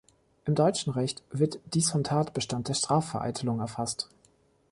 Im deutschen Recht wird dies vom Tatbestand der Strafvereitelung erfasst.